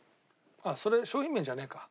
あっそれ商品名じゃねえか。